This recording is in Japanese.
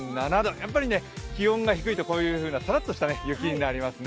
やっぱり気温が低いとこうしたさらっとした雪になりますね。